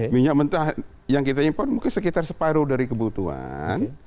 minyak mentah yang kita impor mungkin sekitar separuh dari kebutuhan